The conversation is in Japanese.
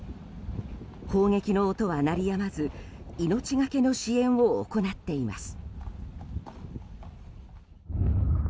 砲撃の音は鳴りやまず命がけの支援を行っています。